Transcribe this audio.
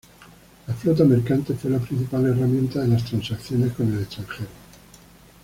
La flota mercante fue la principal herramienta de las transacciones con el extranjero.